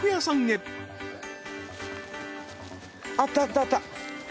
あったあったあった。